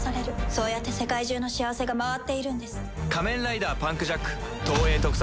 そうやって世界中の幸せが回っているんです。